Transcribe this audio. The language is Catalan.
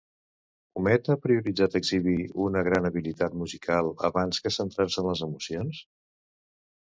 Humet ha prioritzat exhibir una gran habilitat musical abans que centrar-se en les emocions?